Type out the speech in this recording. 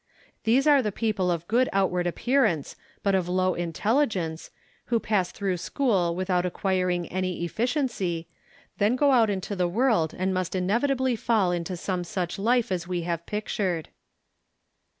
These are the people of good outward ap pearance, but of low intelligence, who pass through school without acquiring any efficiency, then go out into the world and must inevitably fall into some such life as we have pictured.